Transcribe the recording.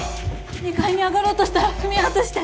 ２階に上がろうとしたら踏み外して。